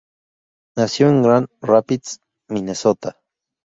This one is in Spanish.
Nació en Grand Rapids, Minnesota.